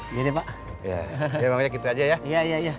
iya deh pak iya bang ojak gitu aja ya iya iya iya